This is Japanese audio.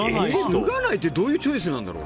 脱がないってどういうチョイスなんだろう。